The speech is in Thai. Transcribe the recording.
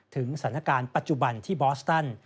ถึงสถานการณ์ปัจจุบันที่บอสตัน